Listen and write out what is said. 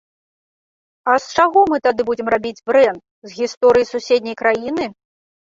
А з чаго мы тады будзем рабіць брэнд, з гісторыі суседняй краіны?